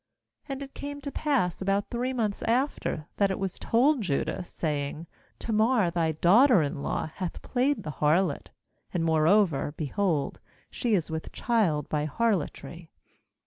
24And it came to pass about three months after, that it was told Judah, saying: 'Tamar thy daughter in law hath played the harlot; and moreover, behold, she is with child by harlotry.'